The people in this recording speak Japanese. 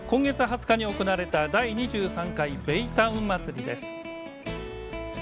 今月２０日に行われた第２３回ベイタウンまつりです。